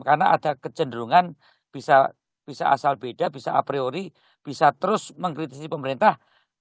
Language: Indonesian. karena ada kecenderungan bisa asal beda bisa a priori bisa terus mengkritisi pemerintah